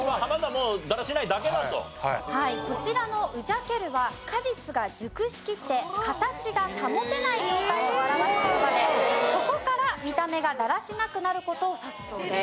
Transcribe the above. こちらのうじゃけるは果実が熟しきって形が保てない状態を表す言葉でそこから見た目がだらしなくなる事を指すそうです。